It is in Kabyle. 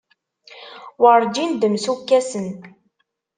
Werǧin d-msukkasen.